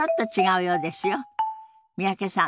三宅さん